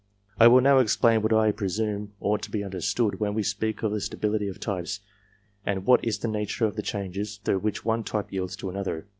STABILITY I will now explain what I presume ought to be under stood, when we speak of the stability of types, and what is the nature of the changes through which one type yields to another.